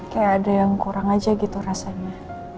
kayak ada yang kurang aja gitu rasanya